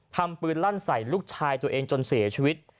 ทำปืนลั่นใส่ลูกชายตัวเองจนเสียชีวิต